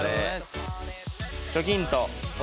チョキンと。